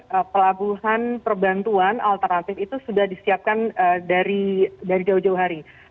karena pelabuhan perbantuan alternatif itu sudah disiapkan dari jauh jauh hari